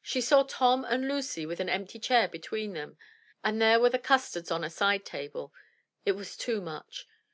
She saw Tom and Lucy with an empty chair between them, and there were the custards on a side table; it was too much.